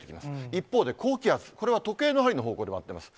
一方で高気圧、これは時計の針の方向で回っています。